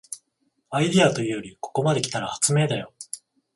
アイデアというよりここまで来たら発明だよ